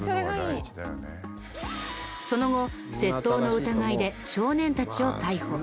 その後窃盗の疑いで少年たちを逮捕。